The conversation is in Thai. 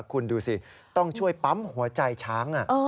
คุณดูสิต้องช่วยปั๊มหัวใจช้าง